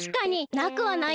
なくはないよね。